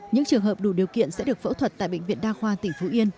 những trường hợp đủ điều kiện sẽ được phẫu thuật tại bệnh viện đa khoa tỉnh phú yên